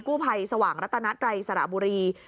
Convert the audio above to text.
กู้ภัยสว่างรัตนัตรัยสระบุรี